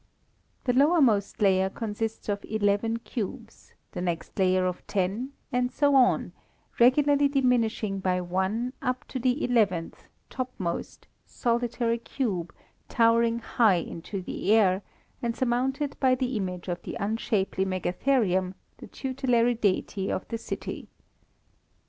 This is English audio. The lowermost layer consists of eleven cubes, the next layer of ten, and so on, regularly diminishing by one up to the eleventh, topmost, solitary cube towering high into the air, and surmounted by the image of the unshapely Megatherium, the tutelary deity of the city.